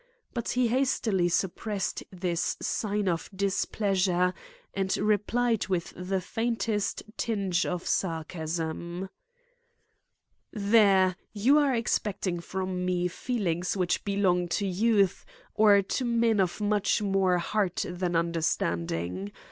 But he hastily suppressed this sign of displeasure and replied with the faintest tinge of sarcasm: "There! you are expecting from me feelings which belong to youth or to men of much more heart than understanding.